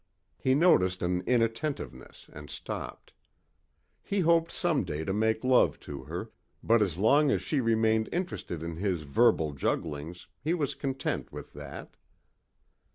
He noticed an inattentiveness and stopped. He hoped some day to make love to her but as long as she remained interested in his verbal jugglings he was content with that.